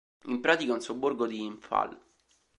In pratica è un sobborgo di Imphal.